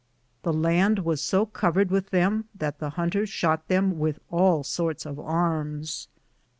The land was so covered with them that the hunters shot them with all sorts of arms.